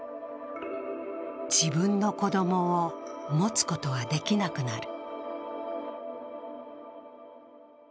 自分の子供を持つことはできなくなる。